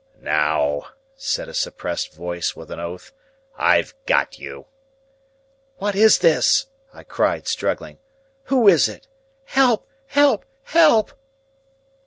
"Now," said a suppressed voice with an oath, "I've got you!" "What is this?" I cried, struggling. "Who is it? Help, help, help!"